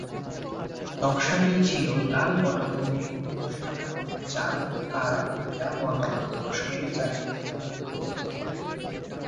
নকশাটি ছিল লাল পটভূমির উপর সাদা রঙের চাঁদ ও তারা যা বর্তমান তুরস্কের জাতীয় পতাকার অগ্রদূত।